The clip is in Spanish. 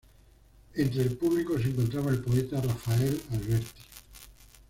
Entre el público se encontraba el poeta Rafael Alberti.